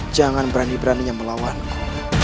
jangan berani beraninya melawanku